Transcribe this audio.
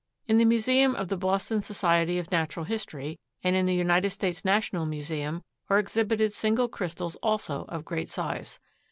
In the museum of the Boston Society of Natural History and in the United States National Museum are exhibited single crystals also of great size.